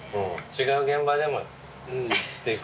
違う現場でもしていく。